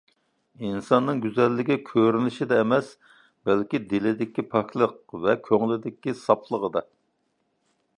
ئىنساننىڭ گۈزەللىكى كۆرۈنۈشىدە ئەمەس، بەلكى دىلىدىكى پاكلىق ھەم كۆڭلىدىكى ساپلىقىدا.